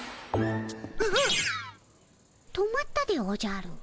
止まったでおじゃる。